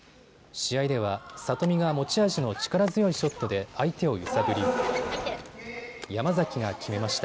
試合では里見が持ち味の力強いショットで相手を揺さぶり山崎が決めました。